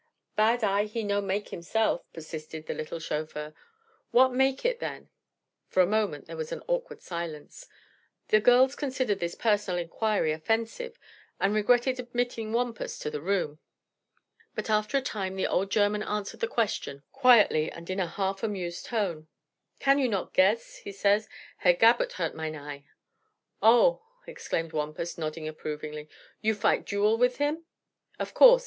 "Bad eye he no make himself," persisted the little chauffeur. "What make him, then?" For a moment there was an awkward silence. The girls considered this personal inquiry offensive and regretted admitting Wampus to the room. But after a time the old German answered the question, quietly and in a half amused tone. "Can you nod guess?" he said. "Herr Gabert hurt mine eye." "Oh!" exclaimed Wampus, nodding approvingly "You fight duel with him? Of course.